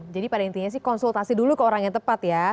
jadi pada intinya sih konsultasi dulu ke orang yang tepat ya